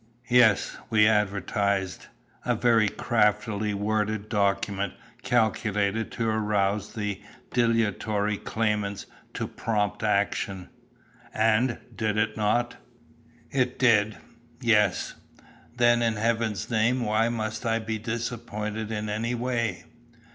"Yes, we advertised. A very craftily worded document calculated to arouse the dilatory claimants to prompt action." "And, did it not?" "It did, yes." "Then, in heaven's name why must I be disappointed in any way?"